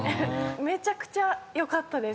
めちゃくちゃ良かったです。